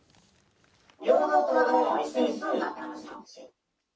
平等とわがままを一緒にすんなって話なんですよ。